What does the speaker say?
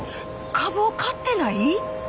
株を買ってない？